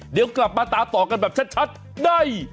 เดี๋ยวกลับมาตามต่อกันแบบชัดได้